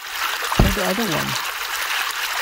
Pull the other one!